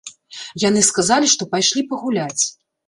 Яны сказалі, што пайшлі пагуляць.